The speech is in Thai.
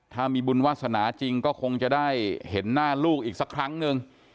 ถ้ามีบุญวาสนาจริงก็คงจะได้เห็นหน้าลูกอีกสักครั้งนึง